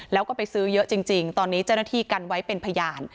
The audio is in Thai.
แล้วก็ไปซื้อเยอะจริงตอนนี้เจ้าหน้าที่กันไว้เป็นพยาน